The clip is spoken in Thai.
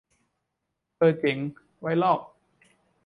เออเจ๋ง ไว้ลอก